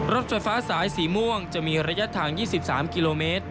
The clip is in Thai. รถไฟฟ้าสายสีม่วงจะมีระยะทาง๒๓กิโลเมตร